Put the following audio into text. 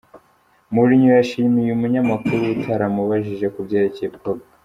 Mourinho yashimiye uyu munyamakuru utaramubajije ku byerekeye Pogba.